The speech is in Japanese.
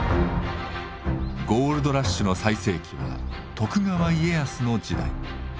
ゴールドラッシュの最盛期は徳川家康の時代。